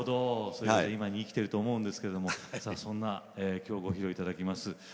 そういう意味じゃ今に生きてると思うんですけれどもさあそんなきょうご披露いただきます